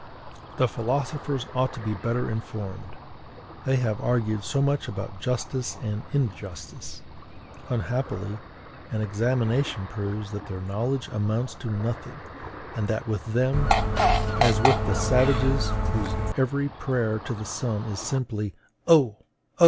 The philosophers ought to be better informed: they have argued so much about justice and injustice! Unhappily, an examination proves that their knowledge amounts to nothing, and that with them as with the savages whose every prayer to the sun is simply _O! O!